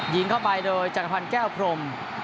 ยิงเข้าไปโดยจังหวัดแก้วพรม